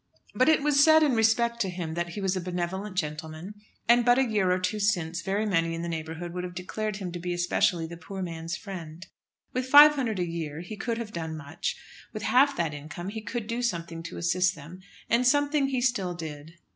But it was said in respect to him that he was a benevolent gentleman; and but a year or two since very many in the neighbourhood would have declared him to be especially the poor man's friend. With £500 a year he could have done much; with half that income he could do something to assist them, and something he still did.